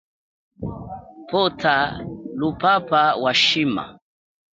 Pwota luphapha wa shima.